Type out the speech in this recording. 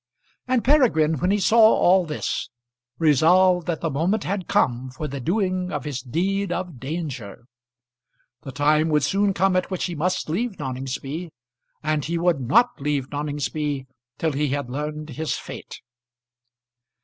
And Peregrine, when he saw all this, resolved that the moment had come for the doing of his deed of danger. The time would soon come at which he must leave Noningsby, and he would not leave Noningsby till he had learned his fate.